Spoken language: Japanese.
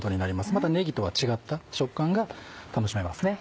またネギとは違った食感が楽しめますね。